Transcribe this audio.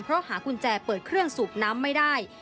เพราะหากุญแจเปิดเครื่องสูบน้ำไม่ได้